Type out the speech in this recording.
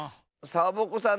サボ子さん